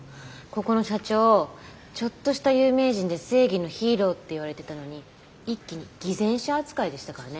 ここの社長ちょっとした有名人で正義のヒーローって言われてたのに一気に偽善者扱いでしたからね。